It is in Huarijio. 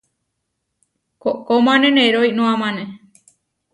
Koʼkómane neroinoamane.